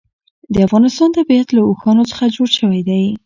د افغانستان طبیعت له اوښانو څخه جوړ شوی دی.